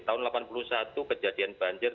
tahun delapan puluh satu kejadian banjir